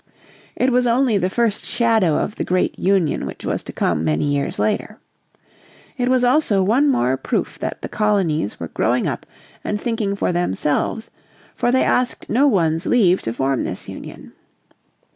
It was only the first shadow of the great Union which was to come many years later. It was also one more proof that the colonies were growing up and thinking for themselves for they asked no one's leave to form this union.